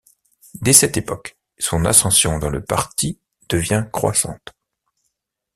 Dès cette époque, son ascension dans le parti devient croissante.